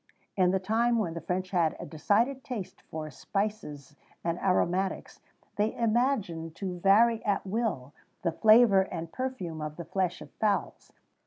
"In the time when the French had a decided taste for spices and aromatics, they imagined to vary at will the flavour and perfume of the flesh of fowls.